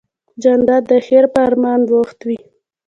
جانداد د خیر په ارمان بوخت وي.